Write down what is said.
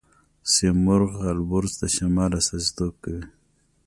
سیمرغ البرز د شمال استازیتوب کوي.